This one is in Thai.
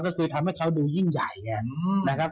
ก็คือทำให้เขาดูยิ่งใหญ่ไงนะครับ